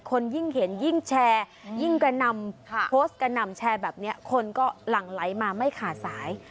คนยิ่งเห็นยิ่งแชร์ยิ่งกระนำโพสต์กระหน่ำแชร์แบบนี้คนก็หลั่งไหลมาไม่ขาดสาย